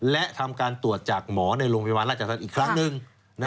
และทำการตรวจจากหมอในโรงพยาบาลราชธรรมอีกครั้งหนึ่ง